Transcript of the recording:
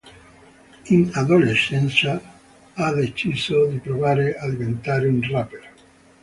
In adolescenza ha deciso di provare a diventare un rapper.